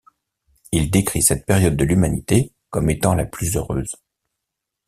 Il décrit cette période de l’humanité comme étant la plus heureuse.